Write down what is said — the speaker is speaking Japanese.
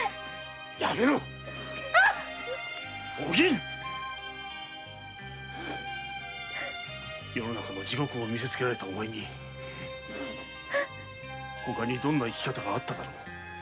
やめろお銀世の中の地獄を見せつけられたお前にほかにどんな生き方があっただろう。